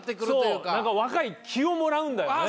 そうなんか若い気をもらうんだよね。